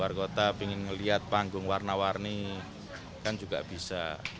luar kota ingin melihat panggung warna warni kan juga bisa